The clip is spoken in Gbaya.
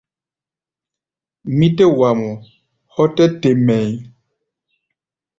Mí tɛ́ wa mɔ hɔ́ tɛ́ te mɛʼí̧.